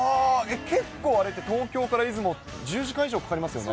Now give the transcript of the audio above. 結構あれって東京から出雲、１０時間以上かかりますよね。